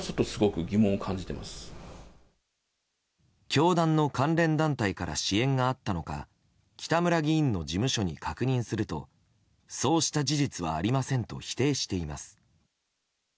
教団の関連団体から支援があったのか北村議員の事務所に確認するとそうした事実はありませんと否定しています。